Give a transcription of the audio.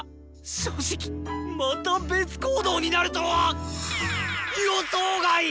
正直また別行動になるとは予想外！